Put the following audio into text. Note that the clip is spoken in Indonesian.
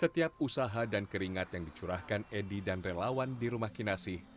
setiap usaha dan keringat yang dicurahkan edi dan relawan di rumah kinasi